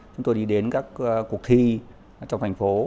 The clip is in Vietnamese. chúng tôi đi đến các cuộc thi trong thành phố